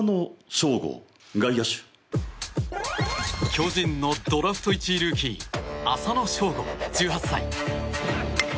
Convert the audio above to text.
巨人のドラフト１位ルーキー浅野翔吾、１８歳。